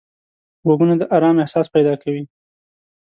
غوږونه د آرام احساس پیدا کوي